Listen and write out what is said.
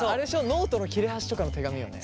ノートの切れ端とかの手紙よね？